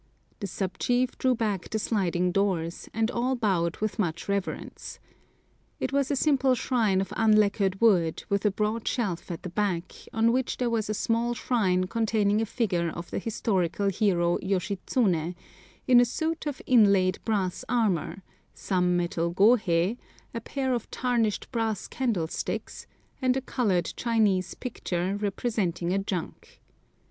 The sub chief drew back the sliding doors, and all bowed with much reverence, It was a simple shrine of unlacquered wood, with a broad shelf at the back, on which there was a small shrine containing a figure of the historical hero Yoshitsuné, in a suit of inlaid brass armour, some metal gohei, a pair of tarnished brass candle sticks, and a coloured Chinese picture representing a junk.